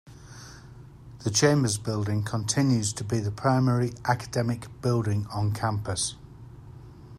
The Chambers Building continues to be the primary academic building on campus.